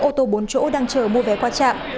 ô tô bốn chỗ đang chờ mua vé qua trạm